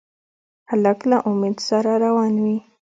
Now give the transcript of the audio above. هلک له امید سره روان وي.